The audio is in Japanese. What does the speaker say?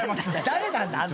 誰なんだ？